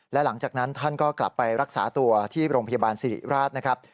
และหลังจากนั้นท่านก็กลับไปรักษาตัวที่โรงพยาบาลสิริราชนะครับ